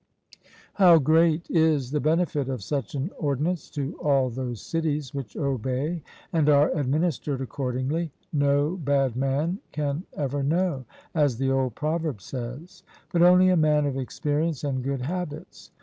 How great is the benefit of such an ordinance to all those cities, which obey and are administered accordingly, no bad man can ever know, as the old proverb says; but only a man of experience and good habits.